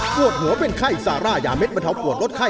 ปวดหัวเป็นไข้ซาร่ายาเด็ดบรรเทาปวดลดไข้